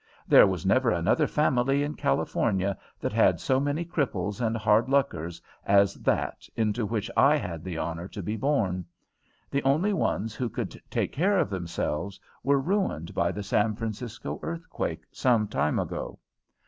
There was never another family in California that had so many cripples and hard luckers as that into which I had the honour to be born. The only ones who could take care of themselves were ruined by the San Francisco earthquake some time ago.